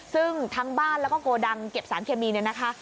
ซึ่งทั้งบ้านแล้วก็โกดังเก็บสารเคมีเนี่ยนะคะ